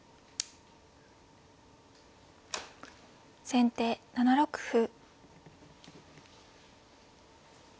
先手７六歩。